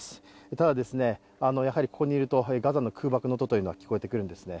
ただ、やはりここにいるとガザの空爆の音というのは聞こえてくるんですね。